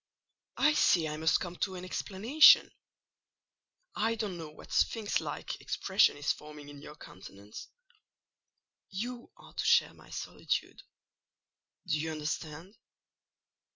"I see I must come to an explanation. I don't know what sphynx like expression is forming in your countenance. You are to share my solitude. Do you understand?"